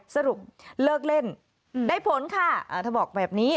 สรุปเลิกเล่นได้ผลค่ะเธอบอกแบบนี้